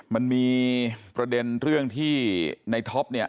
มันมีประเด็นเรื่องที่ในท็อปเนี่ย